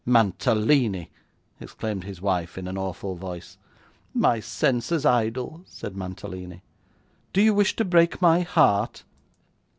'Mantalini!' exclaimed his wife, in an awful voice. 'My senses' idol!' said Mantalini. 'Do you wish to break my heart?